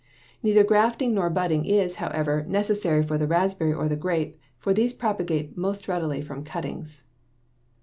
Neither grafting nor budding is, however, necessary for the raspberry or the grape, for these propagate most readily from cuttings.